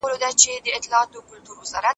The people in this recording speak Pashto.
که مشر صالح وي ټولنه اصلاح کيږي.